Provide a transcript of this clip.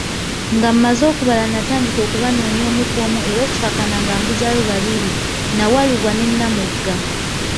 Nga mmaze okubala natandika okubanoonya omu ku omu era okukakana nga mbuzaayo babiri, Nnawalubwa ne Namugga.